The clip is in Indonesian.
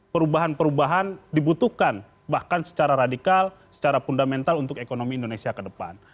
perubahan perubahan dibutuhkan bahkan secara radikal secara fundamental untuk ekonomi indonesia ke depan